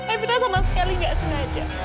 ibi tak salah sekali gak sengaja